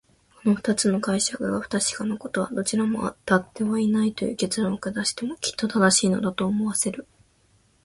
この二つの解釈が不確かなことは、どちらもあたってはいないという結論を下してもきっと正しいのだ、と思わせる。